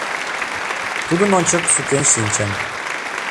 Тудын ончык сукен шинчын: